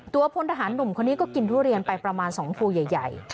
พลทหารหนุ่มคนนี้ก็กินทุเรียนไปประมาณ๒ภูใหญ่